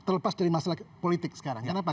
terlepas dari masalah politik sekarang kenapa